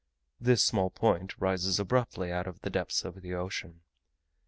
This small point rises abruptly out of the depths of the ocean.